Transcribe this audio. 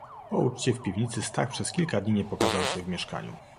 "Po uczcie w piwnicy, Stach przez kilka dni nie pokazał się w mieszkaniu."